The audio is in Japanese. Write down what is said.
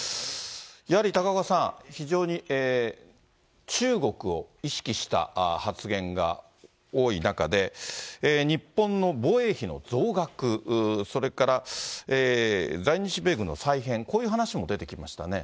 やはり高岡さん、非常に中国を意識した発言が多い中で、日本の防衛費の増額、それから在日米軍の再編、こういう話も出てきましたね。